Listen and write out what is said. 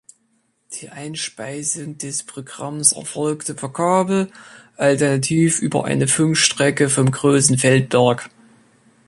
Die Einspeisung des Programms erfolgte per Kabel, alternativ über eine Funkstrecke vom Großen Feldberg.